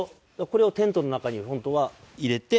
これをテントの中に本当は入れて。